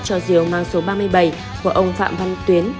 cho diều mang số ba mươi bảy của ông phạm văn tuyến